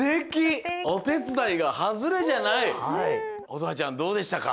乙葉ちゃんどうでしたか？